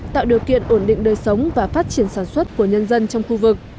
tạo điều kiện ổn định đời sống và phát triển sản xuất của nhân dân trong khu vực